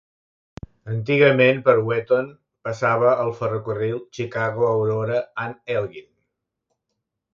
Antigament, per Wheaton passava el ferrocarril Chicago Aurora and Elgin.